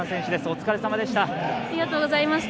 お疲れさまでした。